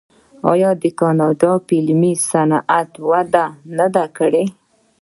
آیا د کاناډا فلمي صنعت وده نه ده کړې؟